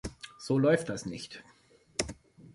So läuft das nicht!